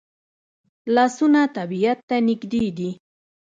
لاسونه طبیعت ته نږدې دي